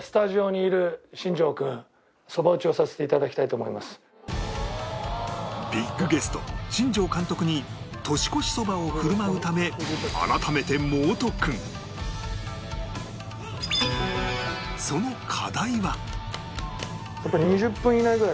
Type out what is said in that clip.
これにビッグゲスト新庄監督に年越しそばを振る舞うため改めてその課題は